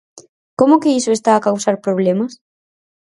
Como que iso está a causar problemas?